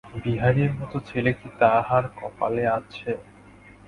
বিহারীর মতো ছেলে কি তাহার কপালে আছে।